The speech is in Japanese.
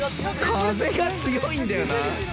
◆風が強いんだよな。